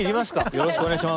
よろしくお願いします。